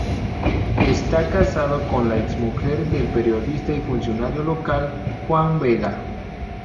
Está casado con la ex-mujer del periodista y funcionario local, Juan Vega.